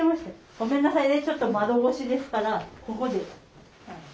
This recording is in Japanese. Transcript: ごめんなさいねちょっと窓越しですからここで。